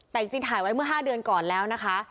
แต่จริงถ่ายไว้เมื่อ๕เดือนก่อนแล้วนะคะ